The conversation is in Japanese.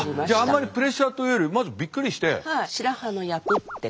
じゃああんまりプレッシャーというよりまずびっくりして？